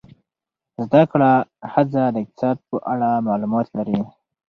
زده کړه ښځه د اقتصاد په اړه معلومات لري.